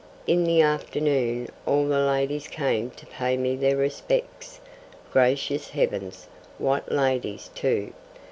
In the afternoon all the ladies came to pay me their respects. Gracious heavens! What ladies, too!